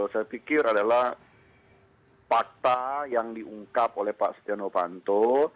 saya pikir adalah fakta yang diungkap oleh pak setia novanto